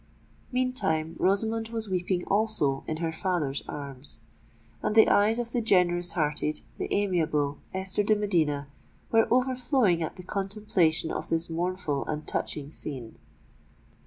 Meantime Rosamond was weeping also in her father's arms; and the eyes of the generous hearted—the amiable Esther de Medina were overflowing at the contemplation of this mournful and touching scene.